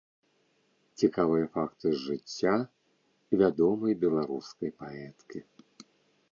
Цікавыя факты з жыцця вядомай беларускай паэткі.